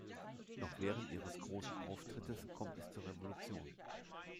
Doch während ihres großen Auftrittes kommt es zur Revolution.